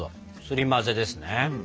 すり混ぜですね。